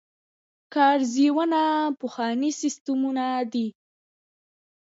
کاریزونه پخواني سیستمونه دي.